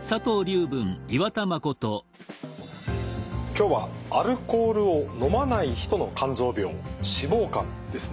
今日はアルコールを飲まない人の肝臓病脂肪肝ですね。